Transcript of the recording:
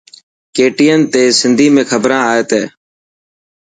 KTN تي سنڌي ۾ کبران ائي تي.